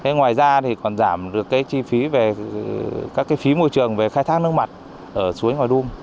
ngoài ra còn giảm được các phí môi trường về khai thác nước mặt ở suối ngoài đun